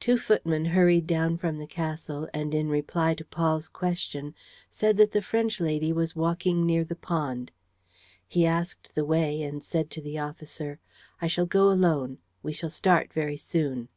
Two footmen hurried down from the castle and, in reply to Paul's question, said that the French lady was walking near the pond. He asked the way and said to the officer: "I shall go alone. We shall start very soon."